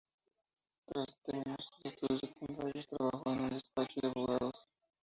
Tras terminar sus estudios secundarios trabajó en un despacho de abogados.